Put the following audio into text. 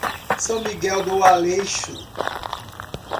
São Miguel do Aleixo